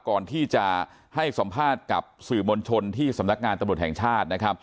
ก่อนที่จะให้สัมภาษณ์กับสื่อมวลชนที่สำนักงานตำรวจแห่งชาตินะครับ